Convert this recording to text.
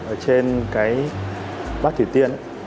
ở trên bát thủy tiên